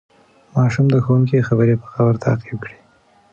ماشوم د ښوونکي خبرې په غور تعقیب کړې